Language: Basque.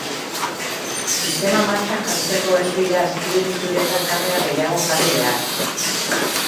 Sistema martxan jartzeko ez dira azpiegituretan kamera gehiago jarri behar.